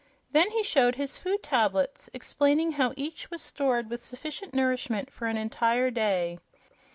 Then he showed his food tablets, explaining how each was stored with sufficient nourishment for an entire day.